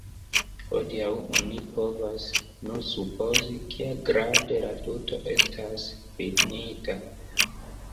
Hodiaŭ oni povas nur supozi, kiagrade la tuto estas finita.